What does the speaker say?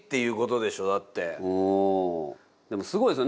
でもすごいですよね。